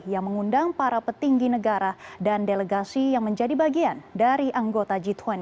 yang mengundang para petinggi negara dan delegasi yang menjadi bagian dari anggota g dua puluh